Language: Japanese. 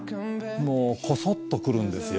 もうコソっと来るんですよ